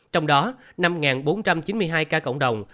trong đó năm bốn trăm chín mươi hai ca cộng đồng